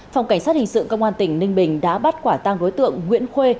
phòng cảnh sát hình sự công an tỉnh ninh bình đã bắt quả tăng đối tượng nguyễn khuê